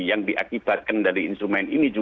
yang diakibatkan dari instrumen ini